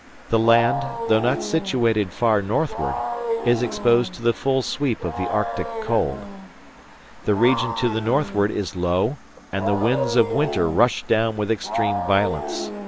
The land, though not situated far northward, is exposed to the full sweep of the Arctic cold. The region to the northward is low, and the winds of winter rush down with extreme violence.